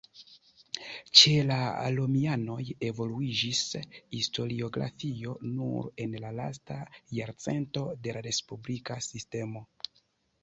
Ĉe la romianoj evoluiĝis historiografio nur en la lasta jarcento de la respublika sistemo.